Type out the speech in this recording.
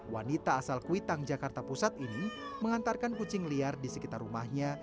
wanita asal kuitang jakarta pusat ini mengantarkan kucing liar di sekitar rumahnya